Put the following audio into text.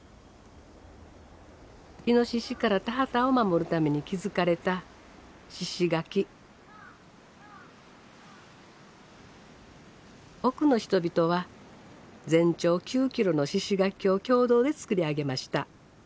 イノシシから田畑を守るために築かれた奥の人々は全長９キロの猪垣を共同で造り上げました。